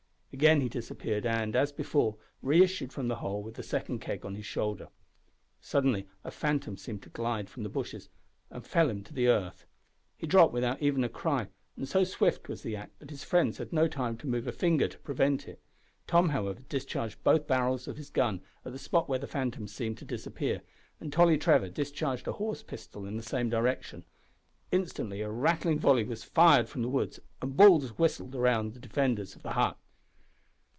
Again he disappeared, and, as before, re issued from the hole with the second keg on his shoulder. Suddenly a phantom seemed to glide from the bushes, and fell him to the earth. He dropped without even a cry, and so swift was the act that his friends had not time to move a finger to prevent it. Tom, however, discharged both barrels of his gun at the spot where the phantom seemed to disappear, and Tolly Trevor discharged a horse pistol in the same direction. Instantly a rattling volley was fired from the woods, and balls whistled all round the defenders of the hut.